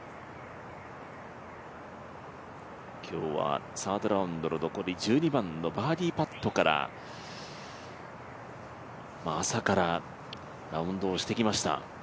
今日はサードラウンドの残り１２番のバーディーパットから、朝からラウンドをしてきました。